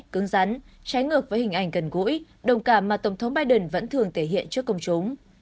cứng rắn trái ngược với hình ảnh gần gũi đồng cảm mà tổng thống biden vẫn thường thể hiện trước công chúng